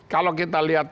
kalau kita lihat